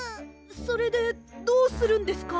それでどうするんですか？